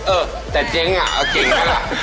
เออแต่เจ๊งน่ะเก่งในล่ะ